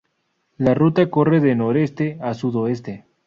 La ruta corre de noreste a sudoeste.